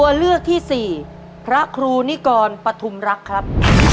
ตัวเลือกที่สี่พระครูนิกรปฐุมรักครับ